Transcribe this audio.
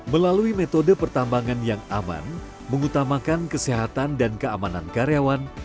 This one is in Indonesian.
melalui metode pertambangan yang aman mengutamakan kesehatan dan keamanan karyawan